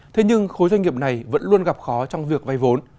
thế nhưng khối doanh nghiệp này vẫn luôn gặp khó trong việc vay vốn